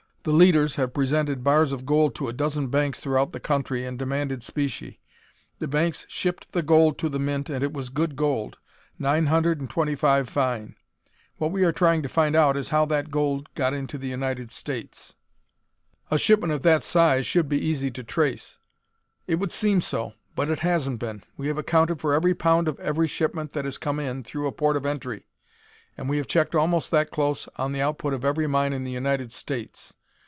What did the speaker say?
The leaders have presented bars of gold to a dozen banks throughout the country and demanded specie. The banks shipped the gold to the mint and it was good gold, nine hundred and twenty five fine. What we are trying to find out is how that gold got into the United States." "A shipment of that size should be easy to trace." "It would seem so, but it hasn't been. We have accounted for every pound of every shipment that has come in through a port of entry, and we have checked almost that close on the output of every mine in the United States.